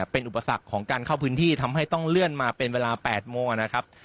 เป็นอุปสรรคของการเข้าพื้นที่ทำให้ต้องเลื่อนมาเป็นเวลา๘โมงนะครับ